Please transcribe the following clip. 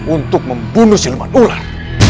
untuk membunuh silman ular